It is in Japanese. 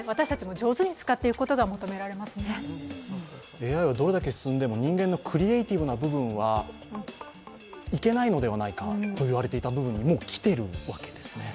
ＡＩはどれだけ進んでも人間のクリエーティブな部分は行けないのではないかといわれている部分にもうきているわけですね。